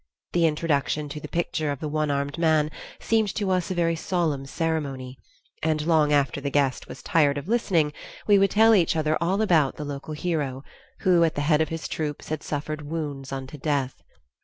The introduction to the picture of the one armed man seemed to us a very solemn ceremony, and long after the guest was tired of listening, we would tell each other all about the local hero, who at the head of his troops had suffered wounds unto death.